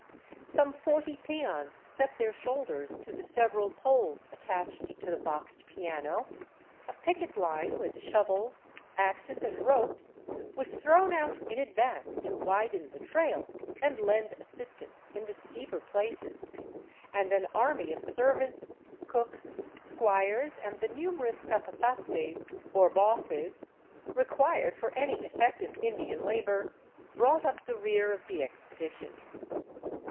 Some forty peons set their shoulders to the several poles attached to the boxed piano, a picket line with shovels, axes, and ropes was thrown out in advance to widen the trail and lend assistance in the steeper places, and an army of servants, cooks, squires, and the numerous capatazes, or bosses, required for any effective Indian labor, brought up the rear of the expedition.